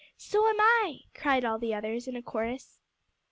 "So am I," cried all the others in a chorus.